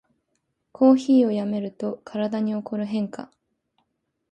コーヒーをやめると体に起こる変化